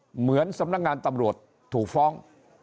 เหมือนสำนักงานตำรวจถูกฟ้อง